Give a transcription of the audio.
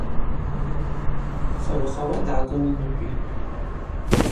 Йхыгӏвхауа дгӏагылын йхӏвитӏ.